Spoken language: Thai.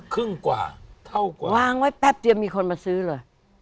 ครึ่งกว่าเท่ากว่าวางไว้แป๊บเดียวมีคนมาซื้อเลย